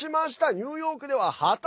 ニューヨークでは破綻？